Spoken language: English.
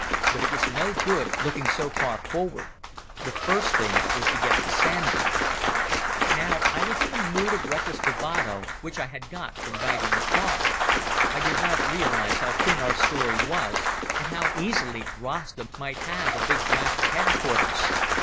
But it was no good looking so far forward; the first thing was to get to Sandy. Now I was still in the mood of reckless bravado which I had got from bagging the car. I did not realize how thin our story was, and how easily Rasta might have a big graft at headquarters.